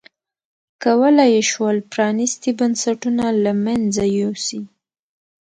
کولای یې شول پرانیستي بنسټونه له منځه یوسي.